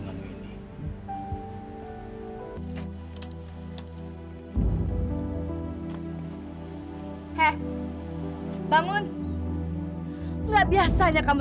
saya ingin menjaga kamu